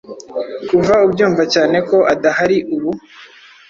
Kuva ubyumva cyane ko adahari ubu